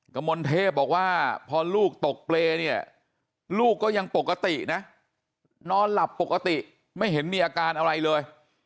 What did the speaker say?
กระมวลเทพบอกว่าพอลูกตกเปรย์เนี่ยลูกก็ยังปกตินะนอนหลับปกติไม่เห็นมีอาการอะไรเลย